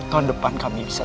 tahun depan kami bisa